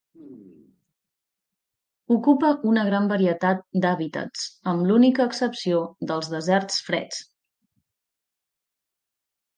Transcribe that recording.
Ocupa una gran varietat d'hàbitats, amb l'única excepció dels deserts freds.